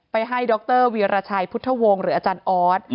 ให้ดรวีรชัยพุทธวงศ์หรืออาจารย์ออส